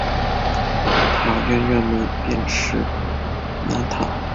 塔院院门内便是南塔。